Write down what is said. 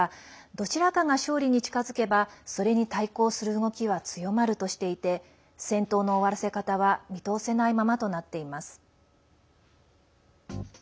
どちらかが勝利に近づけばそれに対抗する動きは強まるとしていて戦闘の終わらせ方は見通せないままとなっています。